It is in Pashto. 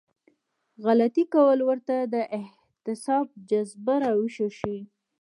غلطي کول ورته د احتساب جذبه راويښه شي.